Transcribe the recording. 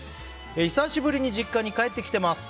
久しぶりに実家に帰ってきてます。